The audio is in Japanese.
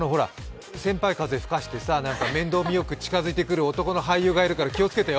先輩風吹かして、面倒見良く近づいてくる男がいるから気をつけてよ。